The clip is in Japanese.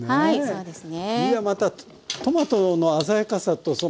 そうですね。